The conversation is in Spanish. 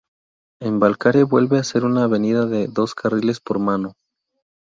En Balcarce vuelve a ser una avenida de dos carriles por mano.